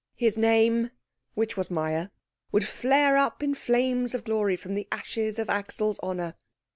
His name, which was Meyer, would flare up in flames of glory from the ashes of Axel's honour.